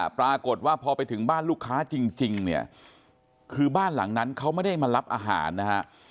ปรากฏว่าพอไปถึงบ้านลูกค้าจริงเนี่ยคือบ้านหลังนั้นเขาไม่ได้มารับอาหารนะฮะ